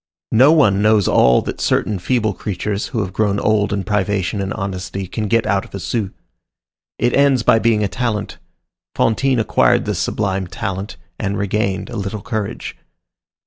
No one knows all that certain feeble creatures, who have grown old in privation and honesty, can get out of a sou. It ends by being a talent. Fantine acquired this sublime talent, and regained a little courage.